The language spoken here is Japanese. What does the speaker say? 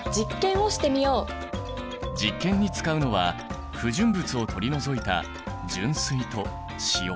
実験に使うのは不純物を取り除いた純水と塩。